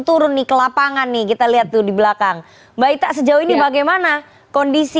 turun nih ke lapangan nih kita lihat tuh di belakang baik tak sejauh ini bagaimana kondisi